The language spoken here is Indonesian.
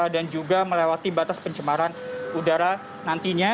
dan juga melewati batas pencemaran udara nantinya